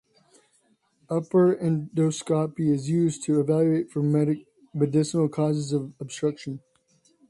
Upper endoscopy is used to evaluate for mechanical causes of obstruction.